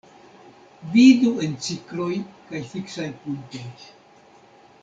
Vidu en cikloj kaj fiksaj punktoj.